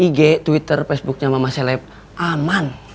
ig twitter facebooknya mama seleb aman